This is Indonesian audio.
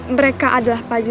mereka adalah pembunuh